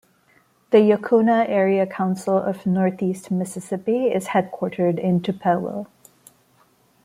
The Yocona Area Council of northeast Mississippi is headquartered in Tupelo.